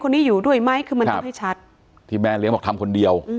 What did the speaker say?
คนนี้อยู่ด้วยไหมคือมันต้องให้ชัดที่แม่เลี้ยงบอกทำคนเดียว